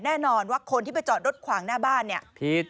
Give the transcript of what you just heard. แน่นอนว่าคนที่ไปจอดรถขวางหน้าบ้านเนี่ยผิด